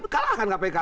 kalah kan kpk